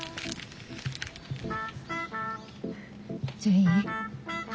じゃあいい？